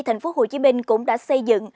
thành phố hồ chí minh cũng đã xây dựng